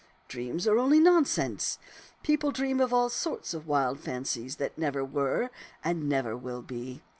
Dreams are only nonsense. People dream of all sorts of wild fancies that never were and never will be.